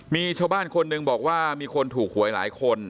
มีชาวบ้านคนหนึ่งบอกว่ามีคนถูกหวยหลายคน